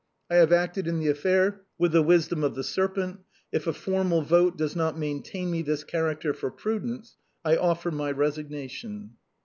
I have acted in the affair with the wisdom of the serpent ; if a formal vote does not maintain me this character for prudence, I offer my resignation."